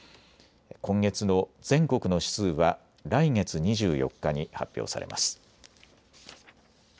今月の全国の指数は来月２４日に発表されます。